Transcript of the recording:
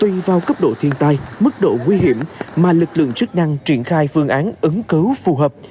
tùy vào cấp độ thiên tai mức độ nguy hiểm mà lực lượng chức năng triển khai phương án ứng cứu phù hợp